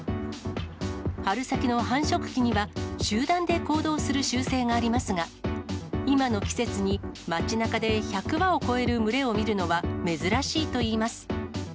春先の繁殖期には、集団で行動する習性がありますが、今の季節に街なかで、１００羽を超える群れを見るのは珍しいといいます。